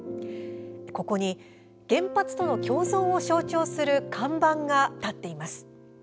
ここに原発との共存を象徴する看板が立っています。